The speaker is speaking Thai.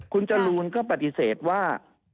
คุณจรูนก็ปฏิเสธว่า